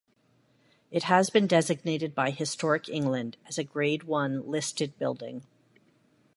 It has been designated by Historic England as a grade one listed building.